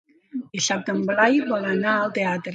Dissabte en Blai vol anar al teatre.